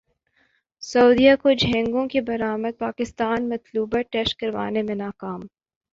سعودیہ کو جھینگوں کی برامد پاکستان مطلوبہ ٹیسٹ کروانے میں ناکام